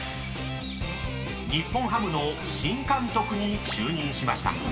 ［日本ハムの新監督に就任しました］